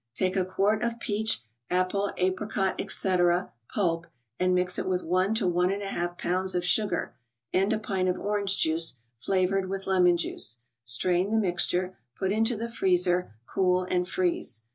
Take a quart of peach, apple, apricot, etc., pulp, and mix it with one to one and a half pounds of sugar, and a pint of orange juice, flavored with lemon juice. Strain the mixture; put into the freezer, cool and freeze.